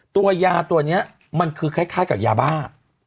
ตัวยาตัวนี้มันคือคล้ายกับยาบ้า